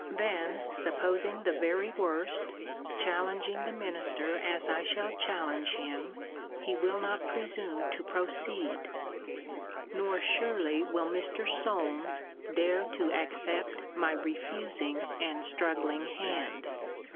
'Then supposing the very worst, challenging the minister as I shall challenge him, he will not presume to proceed: nor surely will Mr. Solmes dare to accept my refusing and struggling hand.